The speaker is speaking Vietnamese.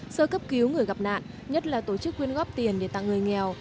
sơ cấp cứu người gặp nạn nhất là tổ chức quyên góp tiền để tặng người nghèo